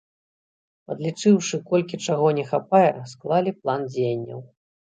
Падлічыўшы, колькі чаго не хапае, склалі план дзеянняў.